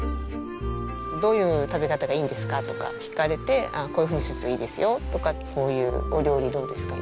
「どういう食べ方がいいですか？」とか聞かれて「こういうふうにするといいですよ」とか「こういうお料理どうですか？」